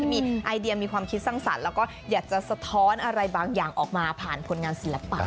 มีไอเดียมีความคิดสร้างสรรค์แล้วก็อยากจะสะท้อนอะไรบางอย่างออกมาผ่านผลงานศิลปะ